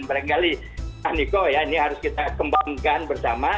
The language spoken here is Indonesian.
pada saat ini harus kita kembangkan bersama